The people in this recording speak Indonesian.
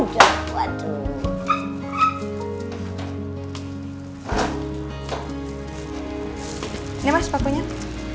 gak usah sayang